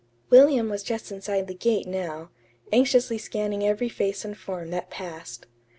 William was just inside the gate now, anxiously scanning every face and form that passed.